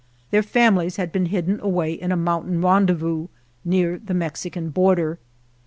Their families had been hidden away in a mountain rendezvous near the Mexican border.